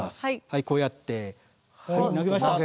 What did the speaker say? はいこうやって投げました。